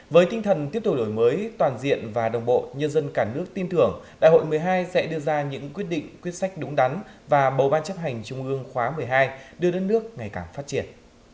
với tinh thần tiếp tục đổi mới toàn diện và đồng bộ nhân dân cả nước tin tưởng đại hội một mươi hai sẽ đưa ra những quyết định quyết sách đúng đắn và bầu ban chấp hành trung ương khóa một mươi hai đưa đất nước ngày càng phát triển